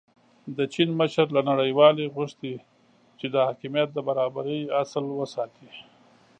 د چین مشر له نړیوالې غوښتي چې د حاکمیت د برابرۍ اصل وساتي.